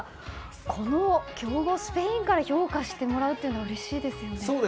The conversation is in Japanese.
この強豪スペインから評価してもらえるのはうれしいですよね。